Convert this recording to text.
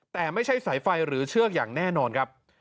แต่ไม่ใช่สายไฟหรือเชือกอย่างแน่นอนครับ